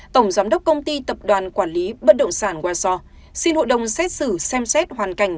tổng giám đốc công ty tập đoàn quản lý bất động sản westor xin hội đồng xét xử xem xét hoàn cảnh